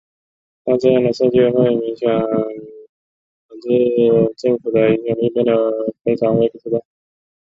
但这样的设计会明显导致人口较少的州在联邦政府中的影响力变得非常微不足道。